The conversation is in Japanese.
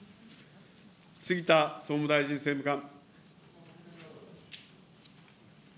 杉田総務大臣政務官。